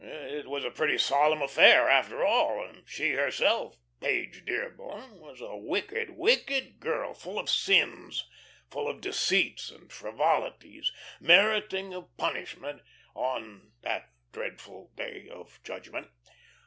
It was a pretty solemn affair, after all; and she herself, Page Dearborn, was a wicked, wicked girl, full of sins, full of deceits and frivolities, meriting of punishment on "that dreadful day of judgment."